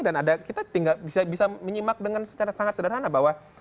dan kita bisa menyimak dengan sangat sederhana bahwa